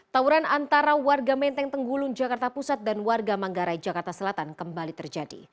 tawuran antara warga menteng tenggulun jakarta pusat dan warga manggarai jakarta selatan kembali terjadi